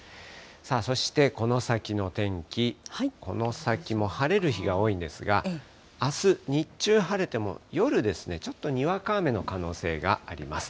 そして、その先の天気、この先も晴れる日が多いんですが、あす、日中晴れても、夜ですね、ちょっとにわか雨の可能性があります。